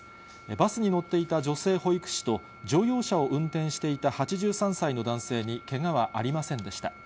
バスに乗っていた女性保育士と、乗用車を運転していた８３歳の男性に、けがはありませんでした。